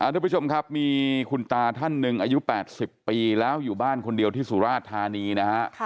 ทุกผู้ชมครับมีคุณตาท่านหนึ่งอายุ๘๐ปีแล้วอยู่บ้านคนเดียวที่สุราชธานีนะฮะ